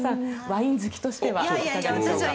ワイン好きとしてはいかがでしょうか。